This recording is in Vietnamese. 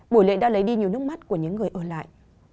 buổi lễ đã lấy đi nhiều nước mắt của những người ở lại